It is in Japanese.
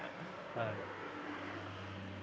はい。